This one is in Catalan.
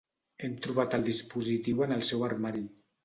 Hem trobat el dispositiu en el seu armari.